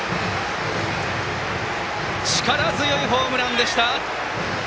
力強いホームランでした！